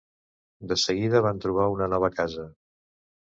De seguida van trobar una nova casa.